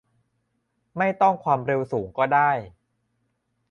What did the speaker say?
ไม่ต้องความเร็วสูงก็ได้